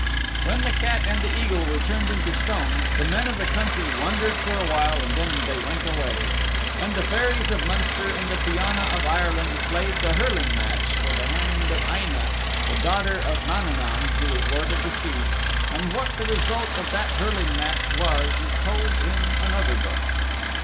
When the Cat and the Eagle were turned into stone the men of the country wondered for a while and then they went away. And the Fairies of Munster and the Fianna of Ireland played the hurling match for the hand of Aine' the daughter of Mananaun who is Lord of the Sea, and what the result of that hurling match was is told in another book.